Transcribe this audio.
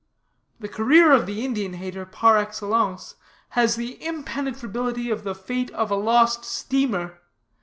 The career of the Indian hater par excellence has the impenetrability of the fate of a lost steamer.